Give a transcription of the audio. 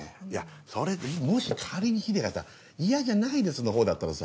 それでもし仮にヒデがさ嫌じゃないですのほうだったらさ